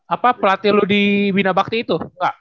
apa pelatih lo di bina bakti itu